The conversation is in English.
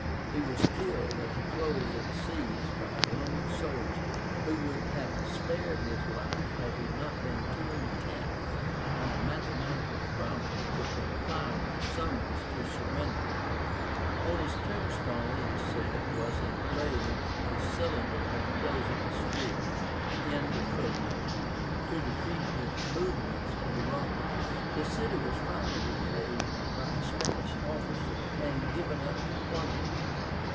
He was killed at the close of the siege by a Roman soldier, who would have spared his life had he not been too intent on a mathematical problem to comply with the summons to surrender. On his tombstone, it is said, was engraved a cylinder enclosing a sphere.) to defeat the movements of the Romans. The city was finally betrayed by a Spanish officer, and given up to plunder.